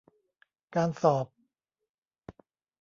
การสอบ